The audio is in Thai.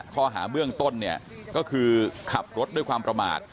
ข้อหาเบื้องต้นเนี่ยก็คือขับรถด้วยความประมาท